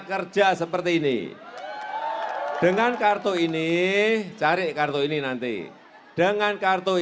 ajak tetangga tetangga kita